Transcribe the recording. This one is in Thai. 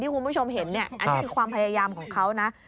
ที่คุณผู้ชมเห็นอันนี้ความพยายามของเขานะ